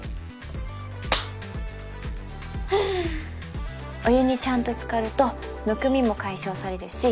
ふうお湯にちゃんとつかるとむくみも解消されるし